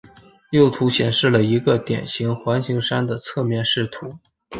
右图显示了一个典型环形山的侧面视图。